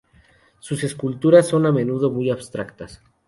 Sus esculturas son a menudo muy abstractas.